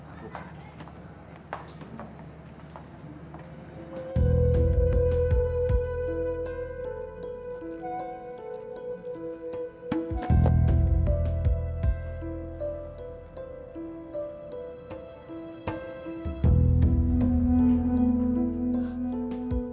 aku kesana dulu